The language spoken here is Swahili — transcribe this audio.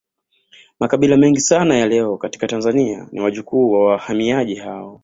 Makabila mengi sana ya leo katika Tanzania ni wajukuu wa wahamiaji hao